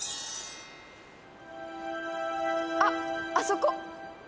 あっあそこ！